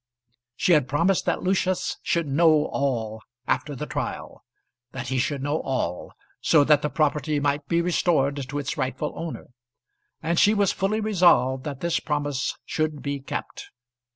She had promised that Lucius should know all after the trial, that he should know all, so that the property might be restored to its rightful owner; and she was fully resolved that this promise should be kept.